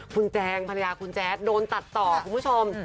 คุณแจงภรรยาคุณแจ๊ดโดนตัดต่อคุณผู้ชม